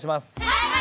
はい！